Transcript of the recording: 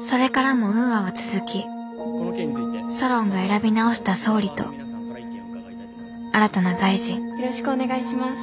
それからもウーアは続きソロンが選び直した総理と新たな大臣よろしくお願いします。